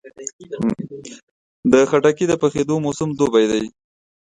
خټکی د پخېدو موسم دوبی دی.